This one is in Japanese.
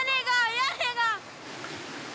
屋根が！